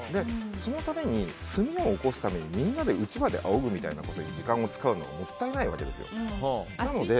そのために炭をおこすために、みんなでうちわであおぐみたいなことに時間を使うのはもったいないわけですよ。